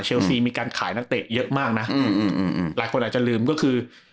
ซีมีการขายนักเตะเยอะมากนะอืมหลายคนอาจจะลืมก็คือ